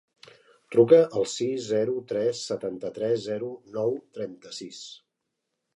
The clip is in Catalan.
Truca al sis, zero, tres, setanta-tres, zero, nou, trenta-sis.